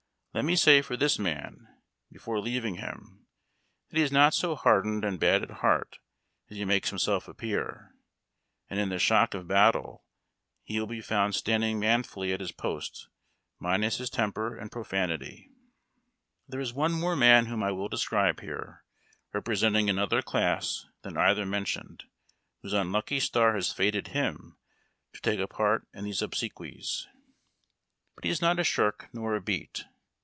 Let me say for this man, before leaving him, that he is not so hardened and bad at heart as he makes himself appear ; and in the shock of battle he will be found standing manfully at his post minus his temper and profanity. There is one more man whom I will describe here, repre senting another class than either mentioned, whose unlucky star has fated liim to take a part in these obsequies ; but he JONAHS AND BEATS. 105 THE PAPEK COLl.AK YOUNG MAN. is not a shirk nor a beat.